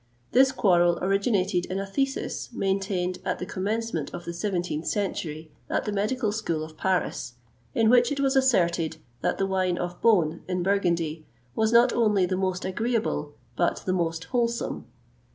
This quarrel originated in a thesis, maintained at the commencement of the 17th century at the Medical School of Paris, in which it was asserted, that the wine of Beaune, in Burgundy, was not only the most agreeable but the most wholesome.